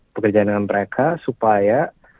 bekerja dengan mereka supaya